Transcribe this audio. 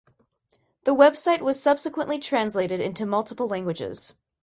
The website was subsequently translated into multiple languages.